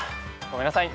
ごめんなさい。